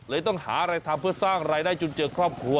ต้องหาอะไรทำเพื่อสร้างรายได้จนเจอครอบครัว